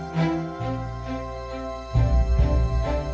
กายพร้อมใจพร้อมเราทำได้